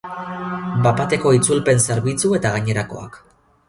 Bat-bateko itzulpen zerbitzu eta gainerakoak.